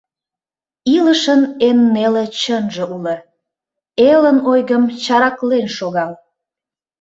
Илышын эн неле чынже уло: Элын ойгым чараклен шогал!